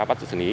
bắt sự xử lý